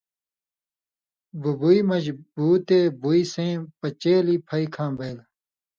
بُبوئ مژ بو تے بُوئ سَیں پچیلیۡ پھئ کھاں بئیل۔